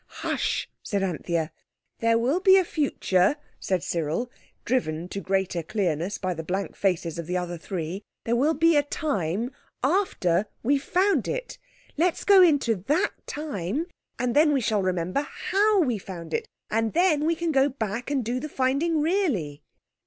"Hush!" said Anthea. "There will be a future," said Cyril, driven to greater clearness by the blank faces of the other three, "there will be a time after we've found it. Let's go into that time—and then we shall remember how we found it. And then we can go back and do the finding really."